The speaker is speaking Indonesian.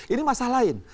ini masalah lain